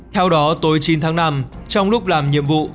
theo đó tối chín tháng năm trong lúc làm nhiệm vụ